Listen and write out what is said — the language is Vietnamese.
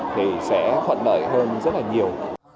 thì sẽ khuẩn đợi hơn rất là nhiều